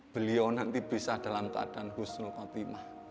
beliau nanti bisa dalam keadaan husnul kotimah